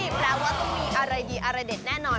แปลว่าต้องมีอร่อยอร่อยเด็ดแน่นอน